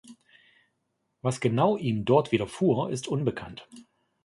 Was genau ihm dort widerfuhr, ist unbekannt.